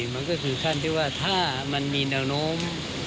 มันก็คือขั้นที่ว่าถ้ามันมีแนวโน้ม